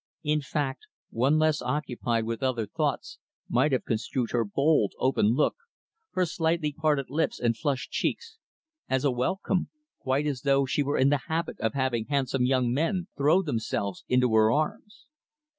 In fact, one less occupied with other thoughts might have construed her bold, open look, her slightly parted lips and flushed cheeks, as a welcome quite as though she were in the habit of having handsome young men throw themselves into her arms.